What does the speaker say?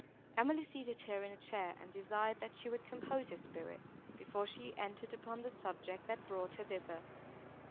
Emily seated her in a chair, and desired, that she would compose her spirits, before she entered upon the subject, that had brought her thither.